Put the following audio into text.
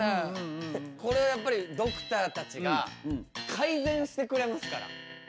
これをやっぱりドクターたちが改善してくれますから。